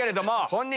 本人